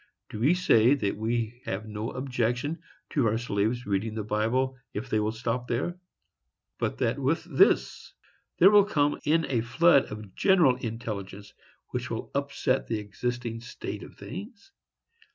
Do we say that we have no objection to our slaves reading the Bible, if they will stop there; but that with this there will come in a flood of general intelligence, which will upset the existing state of things?